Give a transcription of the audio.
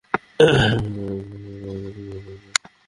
এরকম একদিনের টানা বৃষ্টিতে রাস্তার জমে থাকা পানি ঢুকে গেল ইঞ্জিনে।